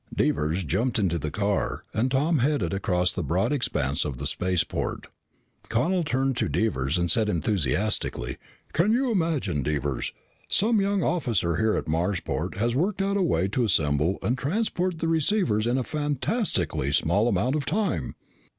Devers jumped into the jet car and Tom headed across the broad expanse of the spaceport. Connel turned to Devers and said enthusiastically, "Can you imagine, Devers? Some young officer here at Marsport has worked out a way to assemble and transport the receivers in a fantastically small amount of time."